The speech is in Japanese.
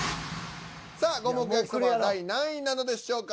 さあ五目焼そばは第何位なのでしょうか。